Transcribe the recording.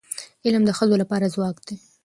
علم د ښځو لپاره ځواک دی.